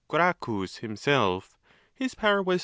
Gracchus himself, his power was.